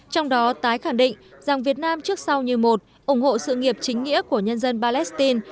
trong đó tái khẳng định rằng việt nam trước sau như một ủng hộ sự nghiệp chính nghĩa của nhân dân palestine